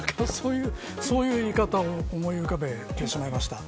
そういう言い方を思い浮かべてしまいました。